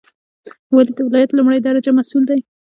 والی د ولایت لومړی درجه مسوول دی